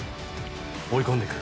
追い込んでいく？